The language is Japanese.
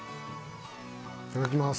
いただきます。